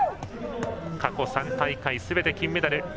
過去３大会、すべて金メダル。